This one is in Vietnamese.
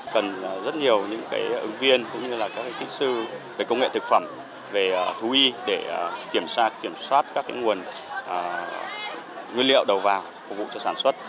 cần rất nhiều ứng viên cũng như các kỹ sư về công nghệ thực phẩm về thú y để kiểm soát các nguồn nguyên liệu đầu vào